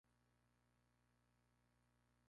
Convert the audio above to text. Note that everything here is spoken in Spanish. Black fue nominado a dos Premios Globo de Oro.